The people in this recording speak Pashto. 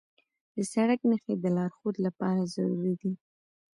د سړک نښې د لارښود لپاره ضروري دي.